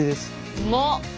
うまっ！